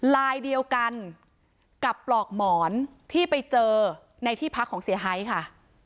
ลายเดียวกันกับปลอกหมอนที่ไปเจอในที่พักของเสียหายค่ะ